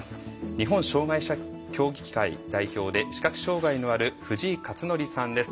日本障害者協議会代表で視覚障害のある藤井克徳さんです。